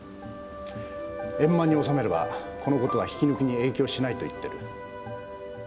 円満に収めればこのことは引き抜きに影響しないと言ってる。